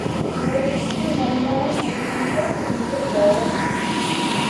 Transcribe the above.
இவளுக்கு மதன மஞ்சிகை என்று பெயர்.